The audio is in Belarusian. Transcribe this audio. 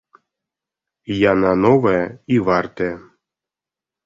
Яна новая і вартая.